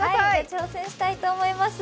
挑戦したいと思います。